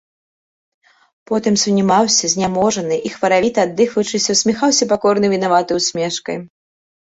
Потым сунімаўся, зняможаны, і, хваравіта аддыхваючыся, усміхаўся пакорнай вінаватай усмешкай.